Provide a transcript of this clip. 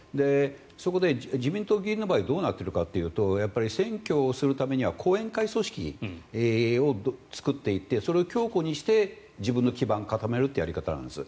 そこで自民党議員の場合どうなっているかというと選挙をするためには後援会組織を作っていってそれを強固にして自分の基盤を固めるというやり方なんです。